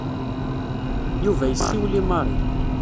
Yuba yessiwel i Mary.